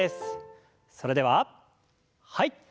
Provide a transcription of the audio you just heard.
それでははい。